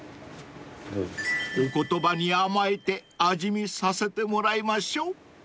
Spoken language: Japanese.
［お言葉に甘えて味見させてもらいましょう］